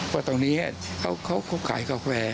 ว่าตรงนี้เขาขายกาแฟ